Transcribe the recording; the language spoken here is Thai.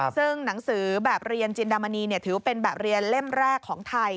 ซึ่งหนังสือแบบเรียนจินดามณีถือเป็นแบบเรียนเล่มแรกของไทย